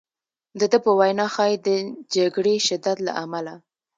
د ده په وینا ښایي د جګړې شدت له امله.